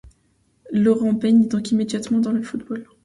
Laurent baigne donc immédiatement dans le football.